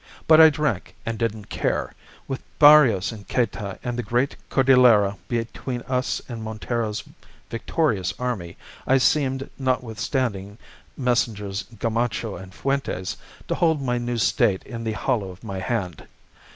But I drank, and didn't care; with Barrios in Cayta and the great Cordillera between us and Montero's victorious army I seemed, notwithstanding Messrs. Gamacho and Fuentes, to hold my new State in the hollow of my hand.